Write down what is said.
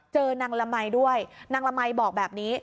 เจอนางละมัยด้วยนางละมัยบอกแบบนี้